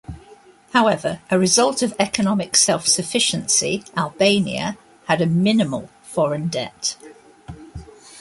However, a result of economic self-sufficiency, Albania had a minimal foreign debt.